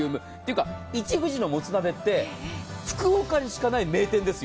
一藤のもつ鍋って福岡にしかない名店ですよ。